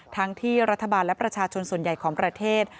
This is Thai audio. ทั้งที่รัฐบาลและประชาชนส่วนใหญ่ของประเทศ